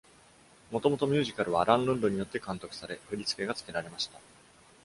もともとミュージカルはアランルンドによって監督され、振付がつけられました。